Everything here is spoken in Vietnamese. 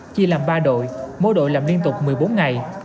chia làm ba đội mỗi đội làm liên tục một mươi bốn ngày